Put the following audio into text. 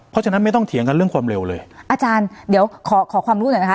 เพราะฉะนั้นไม่ต้องเถียงกันเรื่องความเร็วเลยอาจารย์เดี๋ยวขอขอความรู้หน่อยนะคะ